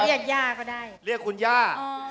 เรียกขุนญา